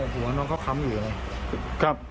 มันก็ทำงานครับ